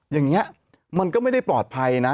อย่างนี้มันก็ไม่ได้ปลอดภัยนะ